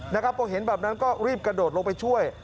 นะครับพอเห็นแบบนั้นก็รีบกระโดดลงไปช่วย